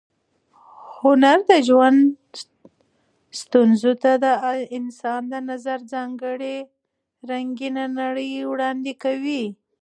هنر د ژوند ستونزو ته د انسان د نظر ځانګړې رنګینه نړۍ وړاندې کوي.